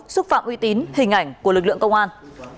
xúc phạm uy tín hình ảnh của lực lượng công an